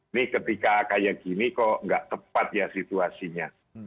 ini ketika kayak gini kok nggak tepat ya situasinya